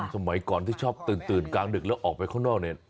สมัยก่อนที่ชอบตื่นกลางดึกแล้วออกไปข้างนอกเนี่ย